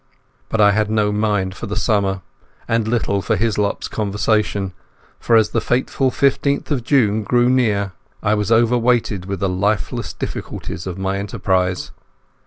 But I had no mind for the summer, and little for Hislop's conversation, for as the fateful fifteenth of June drew near I was overweighed with the hopeless difficulties of my enterprise.